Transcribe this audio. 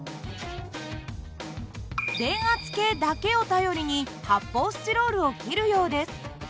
電圧計だけを頼りに発泡スチロールを切るようです。